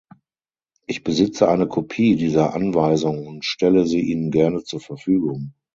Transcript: Ich besitze eine Kopie dieser Anweisung und stelle sie Ihnen gerne zur Verfügung.